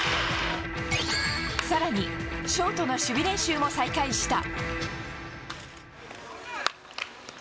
さらに、ショートの守備練習も再開した。